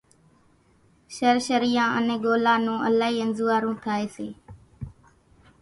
شرشريان انين ڳولان نون الائِي انزوئارون ٿائي سي۔